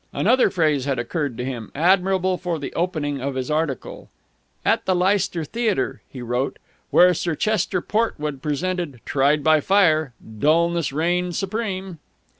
Another phrase had occurred to him, admirable for the opening of his article. "At the Leicester Theatre," he wrote, "where Sir Chester Portwood presented 'Tried by Fire,' dullness reigned supreme...."